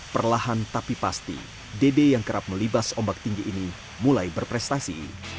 perlahan tapi pasti dede yang kerap melibas ombak tinggi ini mulai berprestasi